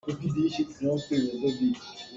Amah cu mi ralṭha a si.